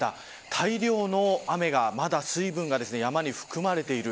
大量の雨が、まだ水分が山に含まれている。